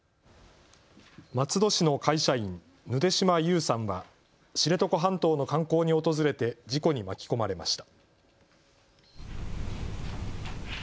松戸市の会社員、ぬで島優さんは知床半島の観光に訪れて事故に巻き込まれました。